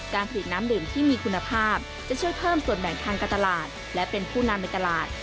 การผลิตน้ำดื่มที่มีคุณภาพจะช่วยเพิ่มส่วนแบ่งทางการตลาดและเป็นผู้นำในตลาด